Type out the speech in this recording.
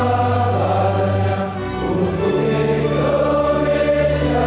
hidup tanahku berdekatan bangsa